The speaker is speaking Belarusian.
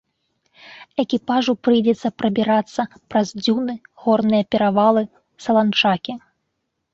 Экіпажу прыйдзецца прабірацца праз дзюны, горныя перавалы, саланчакі.